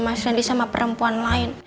mas wendy sama perempuan lain